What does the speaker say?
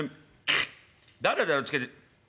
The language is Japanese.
誰だよつけた。